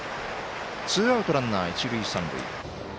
ツーアウト、ランナー、一塁三塁。